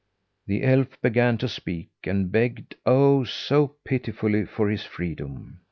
The elf began to speak, and begged, oh! so pitifully, for his freedom.